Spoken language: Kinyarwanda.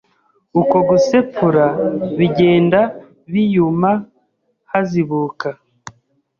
Uko gusepfura bigenda biyuma hazibuka